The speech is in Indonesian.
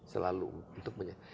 selalu untuk punya